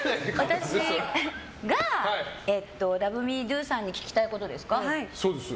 私がＬｏｖｅＭｅＤｏさんに聞きたいことですか？